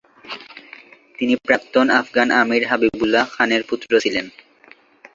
তিনি প্রাক্তন আফগান আমীর হাবিবউল্লাহ খানের পুত্র ছিলেন।